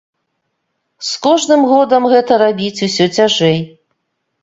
З кожным годам гэта рабіць усё цяжэй.